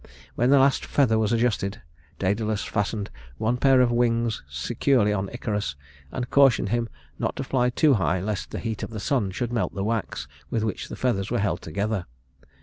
When the last feather was adjusted, Dædalus fastened one pair of wings securely on Icarus, and cautioned him not to fly too high lest the heat of the sun should melt the wax with which the feathers were held together.